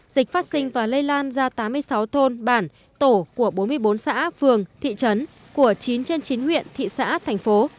dịch phát sinh và lây lan ra tám mươi sáu thôn bản tổ của bốn mươi bốn xã phường thị trấn của chín trên chín huyện thị xã thành phố